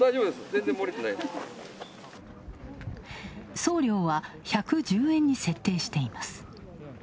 送料は１１０円に設定しています。